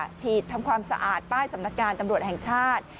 ฉีดทำความสะอาดป้ายสำนักงานตำรวจแห่งชาติ